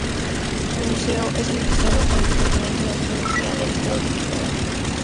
El museo es administrado por el Departamento de Arqueología del estado de Kerala.